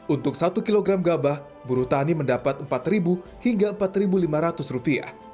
untuk satu kilogram gabah buru tani mendapat rp empat hingga rp empat lima ratus